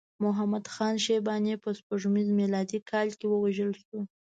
محمد خان شیباني په سپوږمیز میلادي کال کې ووژل شو.